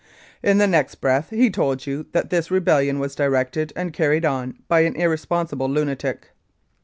In the next breath he told you that this rebellion was directed and carried on by an irresponsible lunatic.